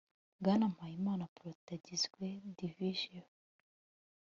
Bwana MPAYIMANA Protais agizwe Division